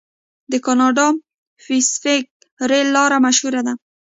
د کاناډا پیسفیک ریل لار مشهوره ده.